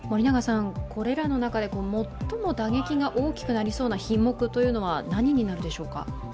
これらの中で最も打撃が大きくなりそうな品目は何になるでしょうか？